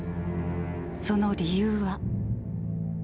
その理由は。